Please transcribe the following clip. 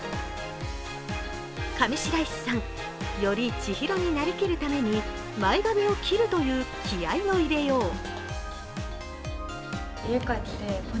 上白石さん、より千尋になりきるために前髪を切るという気合いの入れよう。